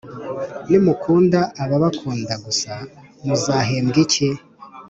Nimukunda ababakunda gusa muzahembwa iki?